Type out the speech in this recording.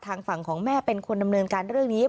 ทางฝั่งของแม่เป็นคนดำเนินการเรื่องนี้